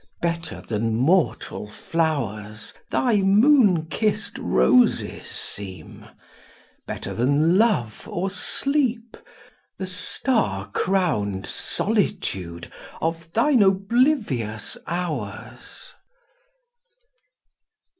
Better than mortal flowers, Thy moon kissed roses seem: better than love or sleep, The star crowned solitude of thine oblivious hours!